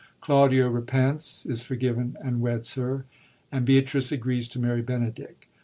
Claudio repents, is forgiven, and weds her ; and Beatrice agrees to marry Benedick.